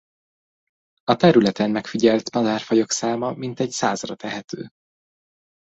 A területen megfigyelt madárfajok száma mintegy százra tehető.